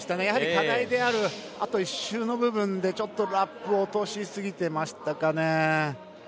やはり課題であるあと１周の部分でちょっとラップを落としすぎてましたかね。